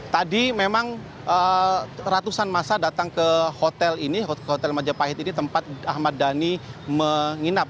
tadi memang ratusan masa datang ke hotel majapahit ini tempat ahmad dhani menginap